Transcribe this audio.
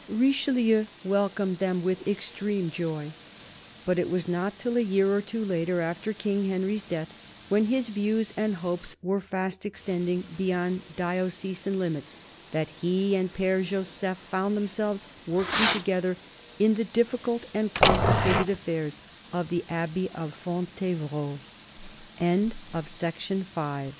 Richelieu welcomed them with "extreme joy." But it was not till a year or two later, after King Henry's death, when his views and hopes were fast extending beyond diocesan limits, that he and Pfere Joseph found themselves working together in the difficult and compl